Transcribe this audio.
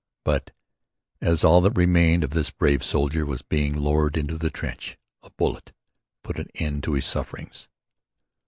But as all that remained of this brave soldier was being lowered into the trench a bullet put an end to his sufferings.